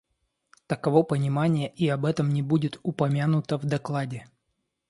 Таково понимание, и об этом не будет упомянуто в докладе.